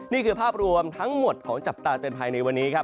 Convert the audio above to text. นี่คือภาพรวมทั้งหมดของจับตาเตือนภัยในวันนี้ครับ